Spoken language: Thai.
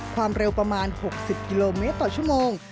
ความเร็วประมาณ๖๐กิโลเมตรต่อชั่วโมง